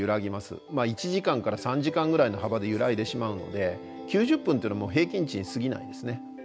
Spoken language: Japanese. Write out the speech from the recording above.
１時間から３時間ぐらいの幅で揺らいでしまうので９０分というのも平均値にすぎないですね。